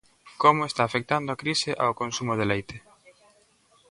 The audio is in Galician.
Como está afectando a crise ao consumo de leite?